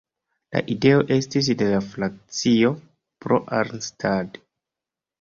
La ideo estis de la frakcio "Pro Arnstadt".